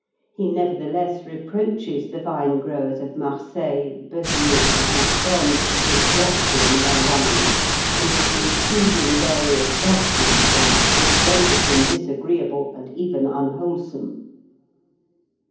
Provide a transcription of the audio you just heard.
He nevertheless reproaches the vine growers of Marseilles, Beziers, and Narbonne with doctoring their wines, and with infusing various drugs into them, which rendered them disagreeable and even unwholesome (Fig.